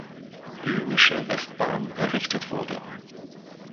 Böhmische Westbahn errichtet wurde.